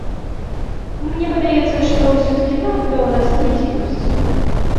Мне падаецца, што ўсё-ткі нафта ў нас недзе ёсць.